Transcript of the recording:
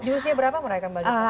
di usia berapa menaikan balik